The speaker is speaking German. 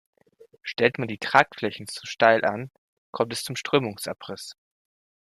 Stellt man die Tragflächen zu steil an, kommt es zum Strömungsabriss.